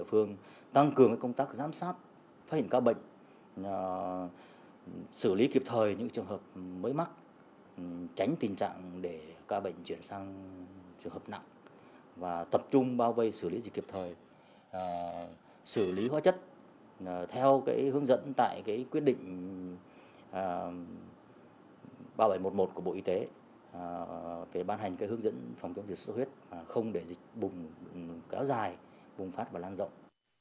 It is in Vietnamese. phòng chống dịch sốt huyết không để dịch bùng cáo dài bùng phát và lan rộng